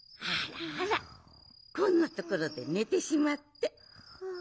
あらあらこんなところでねてしまって。